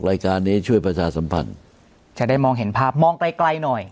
รายการนี้ช่วยประชาสัมพันธ์จะได้มองเห็นภาพมองไกลไกลหน่อย